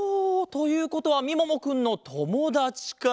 ということはみももくんのともだちか。